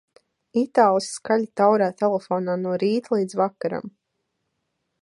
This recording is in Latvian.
Itālis skaļi taurē telefonā no rīta līdz vakaram.